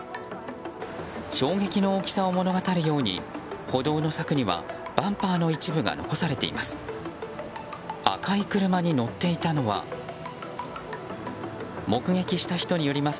衝撃の大きさを物語るように歩道の柵にはバンパーの一部が残されています。